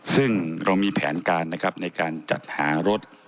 ซึ่งเรามีแผนการนะครับในการจัดหารถ